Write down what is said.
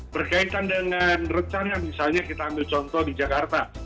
berkaitan dengan rencana misalnya kita ambil contoh di jakarta